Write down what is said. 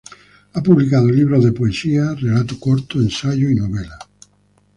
Ha publicado libros de poesía, relato corto, ensayo y novelas.